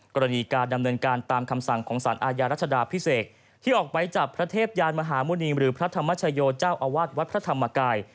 กรณีการดำเนินการตามคำสั่งของสารอาญารัชดาพิเศษที่ออกไหมจับพระเทพยานมหาหมุณีหรือพระธรรมชโยเจ้าอาวาสวัดพระธรรมกาย